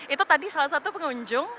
itu tadi salah satu pengunjung